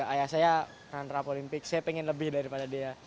ayah saya menang rap olimpik saya ingin lebih daripada dia